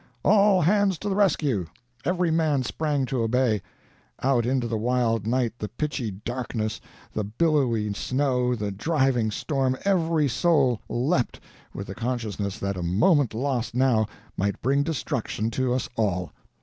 'All hands to the rescue!' Every man sprang to obey. Out into the wild night, the pitchy darkness, the billowy snow, the driving storm, every soul leaped, with the consciousness that a moment lost now might bring destruction to us all.